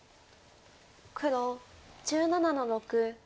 黒１７の六ツケ。